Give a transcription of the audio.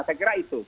saya kira itu